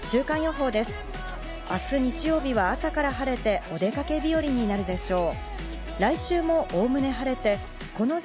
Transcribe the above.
明日、日曜日は朝から晴れてお出かけ日和になるでしょう。